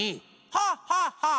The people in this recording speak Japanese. ハッハッハッ！